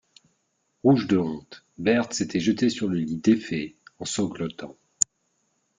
Rouge de honte, Berthe s'était jetée sur le lit défait, en sanglotant.